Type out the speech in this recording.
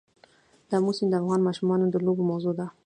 آمو سیند د افغان ماشومانو د لوبو موضوع ده.